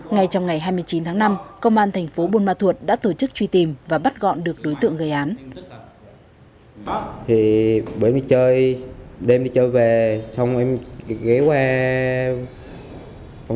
ngay trong ngày hai mươi chín tháng năm công an thành phố buôn ma thuột đã tổ chức truy tìm và bắt gọn được đối tượng gây án